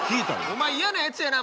お前嫌なやつやな。